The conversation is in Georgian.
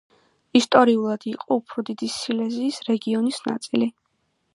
ისტორიულად იყო უფრო დიდი სილეზიის რეგიონის ნაწილი.